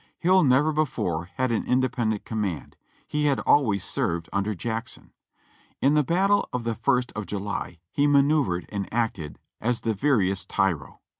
Hill never before had an independent command ; he had always served under Jackson. In the battle of the first of July he manoeuvred and acted as the veriest tyro.